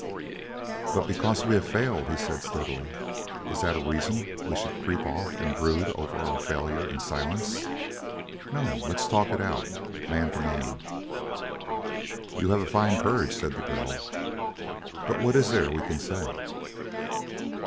"But because we have failed," he said steadily, "is that a reason we should creep off and brood over our failure in silence? No, let's talk it out, man to man." "You have a fine courage," said the girl. "But what is there we can say?"